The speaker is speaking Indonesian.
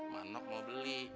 manok mau beli